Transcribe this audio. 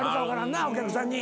なお客さんに。